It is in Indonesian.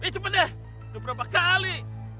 cepet deh udah berapa kali